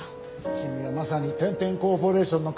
君はまさに天・天コーポレーションの鑑だね。